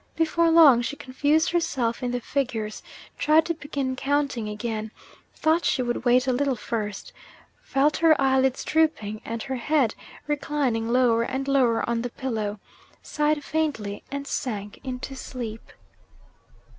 Before long, she confused herself in the figures tried to begin counting again thought she would wait a little first felt her eyelids drooping, and her head reclining lower and lower on the pillow sighed faintly and sank into sleep.